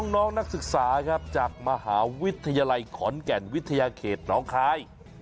น้องนักศึกษาครับจากมหาวิทยาลัยขอนแก่นวิทยาเขตน้องคลาย